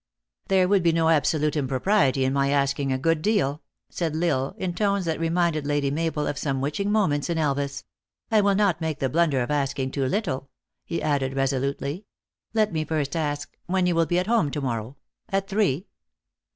" There would be no absolute impropriety in my asking a good deal," said L Isle, in tones that remind ed Lady Mabel of some witching moments in Elvas, " I will not make the blunder of asking too little," he added resolutely. " Let me first ask when you will be at home to morrow at three?"